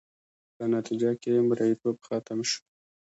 په نتیجه کې یې مریتوب ختم شو.